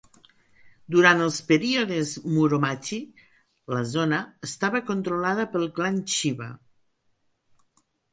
Durant els períodes Muromachi, la zona estava controlada pel clan Chiba.